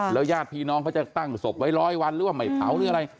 ญาติพี่น้องเขาจะตั้งศพไว้ร้อยวันหรือว่าไม่เผาหรืออะไร